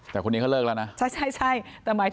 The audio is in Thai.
แต่คนนี้เขาเลิกแล้วนะ